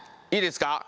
いいですか。